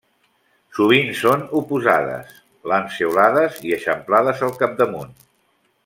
Sovint són oposades, lanceolades i eixamplades al capdamunt.